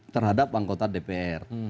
terhadap anggota dpr